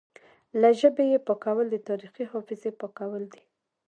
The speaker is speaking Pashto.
له ژبې یې پاکول د تاریخي حافظې پاکول دي